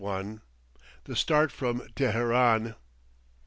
THE START FROM TEHERAN.